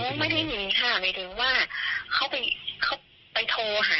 น้องไม่ได้ยินค่ะหมายถึงว่าเขาไปโทรหาอะไรนะเพื่อน